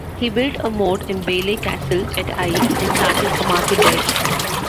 He built a motte and bailey castle at Eye, and started a market there.